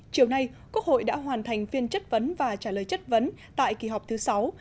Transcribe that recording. chiều nay quốc hội đã hoàn thành phiên chất vấn và trả lời chất vấn tại kỳ họp thứ sáu